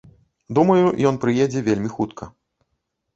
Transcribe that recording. Думаю, ён прыедзе вельмі хутка.